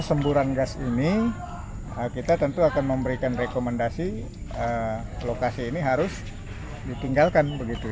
semburan gas ini kita tentu akan memberikan rekomendasi lokasi ini harus ditinggalkan begitu